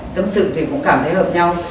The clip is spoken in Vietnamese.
tâm sự thì cũng cảm thấy hợp nhau